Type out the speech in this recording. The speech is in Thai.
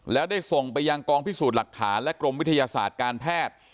แล้วได้ส่งไปยังกองพิสูจน์หลักฐานและกรมวิทยาศาสตร์การแพทย์